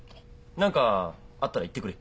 何かあったら言ってくれ。